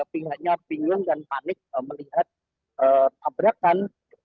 pihaknya bingung dan panik melihat tabrakan